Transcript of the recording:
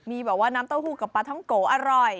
มีบอกว่าน้ำทะพูกับปลาท้องโกอร่อย